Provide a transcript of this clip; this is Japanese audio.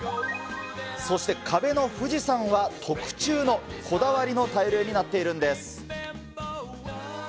そして壁の富士山は、特注の、こだわりのタイル絵になっているんです。